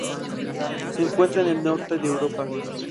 Se encuentra en el norte de Europa.